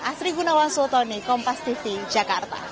asri gunawan sultoni kompas tv jakarta